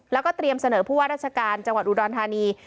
แล้วก็เตรียมเสนอผู้ว่าราชการจังหวัดอุดรธานี